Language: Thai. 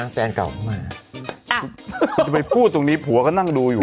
อยากจะไปพูดตรงนี้ฝัวก็นั่งดูอยู่